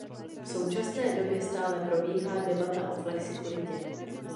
V současné době stále probíhá debata o flexikuritě.